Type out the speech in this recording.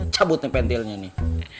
cabut nih pentilnya nih